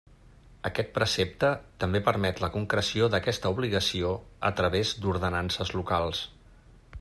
Aquest precepte també permet la concreció d'aquesta obligació a través d'ordenances locals.